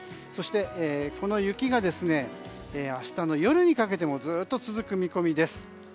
そして、この雪が明日の夜にかけてもずっと続く見込みです。